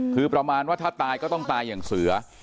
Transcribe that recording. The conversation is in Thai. คือประมาณว่าถ้าตายก็ต้องตายอย่างเสือ